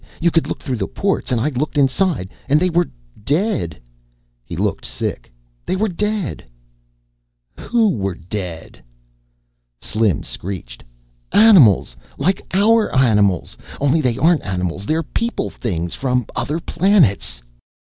You could look through the ports and I looked inside and they were dead." He looked sick. "They were dead." "Who were dead." Slim screeched, "Animals! like our animals! Only they aren't animals. They're people things from other planets."